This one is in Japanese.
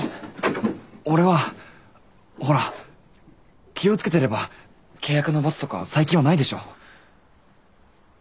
俺はほら気を付けてれば契約の罰とか最近はないでしょ。